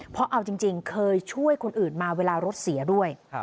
เพราะเอาจริงเคยช่วยคนอื่นมาเวลารถเสียด้วย